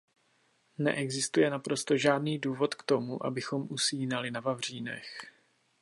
Neexistuje naprosto žádný důvod k tomu, abychom usínali na vavřínech.